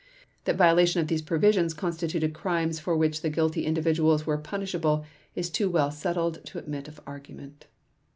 That violation of these provisions constituted crimes for which the guilty individuals were punishable is too well settled to admit of argument.